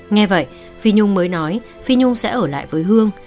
nghe vậy phi nhung mới nói phi nhung sẽ ở lại với hương